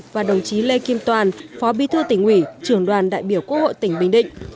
và đồng chí lê kim toàn phó bí thư tỉnh ủy trưởng đoàn đại biểu quốc hội tỉnh bình định